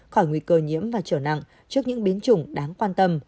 khỏi nguy cơ nhiễm và trở nặng trước những biến chủng đáng quan tâm